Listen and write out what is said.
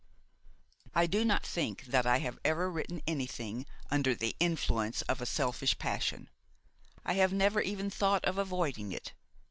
I do not think that I have ever written anything under the influence of a selfish passion; I have never even thought of avoiding it.